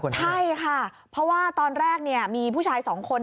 ใช่ค่ะตอนแรกมีผู้ชาย๒คน